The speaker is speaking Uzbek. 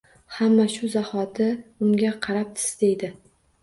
Hamma shu zahoti unga qarab Tsss deydi